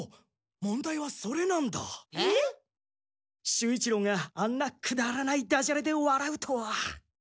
守一郎があんなくだらないダジャレでわらうとは。